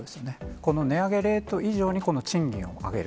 この値上げレート以上に、この賃金を上げる。